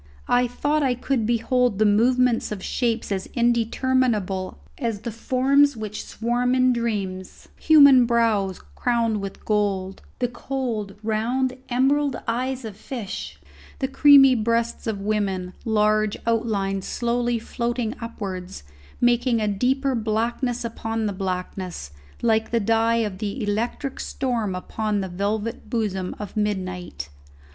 I thought I could behold the movements of shapes as indeterminable as the forms which swarm in dreams, human brows crowned with gold, the cold round emerald eyes of fish, the creamy breasts of women, large outlines slowly floating upwards, making a deeper blackness upon the blackness like the dye of the electric storm upon the velvet bosom of midnight.